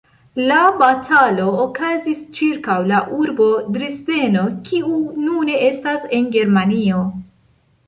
La batalo okazis ĉirkaŭ la urbo Dresdeno, kiu nune estas en Germanio.